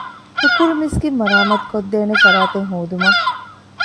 ހުކުރު މިސްކިތް މަރާމާތުކޮށްދޭނެ ފަރާތެއް ހޯދުމަށް